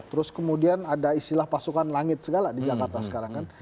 terus kemudian ada istilah pasukan langit segala di jakarta sekarang kan